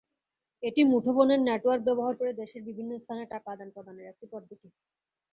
এটি মুঠোফোনের নেটওয়ার্ক ব্যবহার করে দেশের বিভিন্ন স্থানে টাকা আদান-প্রদানের একটি পদ্ধতি।